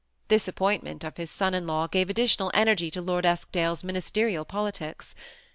This appointment of his son in law gave additional energy to Lord Eskdale's ministerial politics.